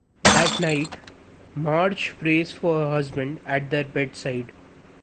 That night, Marge prays for her husband at their bedside.